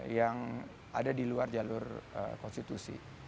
yang ada di luar jalur konstitusi